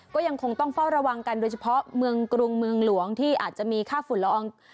ก็ยังคงต้องเฝ้าระวังกันโดยเฉพาะเมืองกรุงเมืองหลวงที่อาจจะมีค่าฝุ่นละออง